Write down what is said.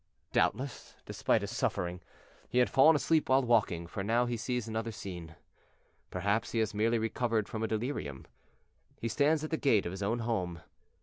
Doubtless, despite his suffering, he had fallen asleep while walking, for now he sees another scene perhaps he has merely recovered from a delirium. He stands at the gate of his own home.